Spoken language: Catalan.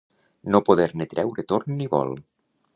No poder-ne treure torn ni vol.